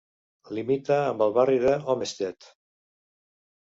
Limita amb el barri de Homestead.